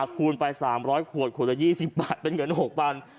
คูณไป๓๐๐ขวดขวดละ๒๐บาทเป็นเงิน๖๐๐บาท